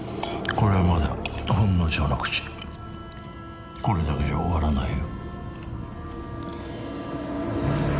これはまだほんの序の口これだけじゃ終わらないよ